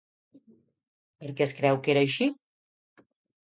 Per què es creu que era així?